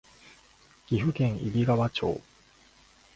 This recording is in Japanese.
岐阜県揖斐川町